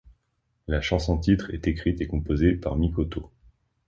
La chanson-titre est écrite et composée par Mikoto.